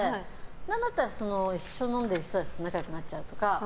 なんだったら一緒に飲んでる人たちと仲良くなっちゃうとか。